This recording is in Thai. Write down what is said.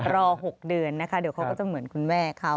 รอ๖เดือนนะคะเดี๋ยวเขาก็จะเหมือนคุณแม่เขา